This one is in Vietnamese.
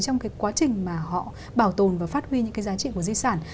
trong cái quá trình mà họ bảo tồn và phát huy những cái giá trị của di sản